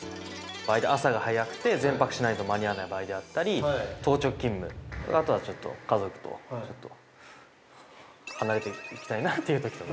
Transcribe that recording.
わりと朝が早くて、前泊しないと間に合わない場合であったり、当直勤務、あとはちょっと、家族と、ちょっと、離れていたいなっていうときとか。